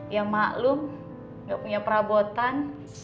ya maklum gak punya perabotan